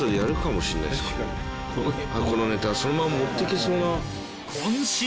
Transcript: このネタそのまま持っていけそうな。